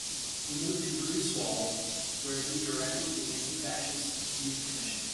He moved to Greifswald, where he directed the antifascist youth commission.